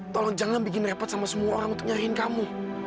tolong jangan bikin repot sama semua orang untuk nyahin kamu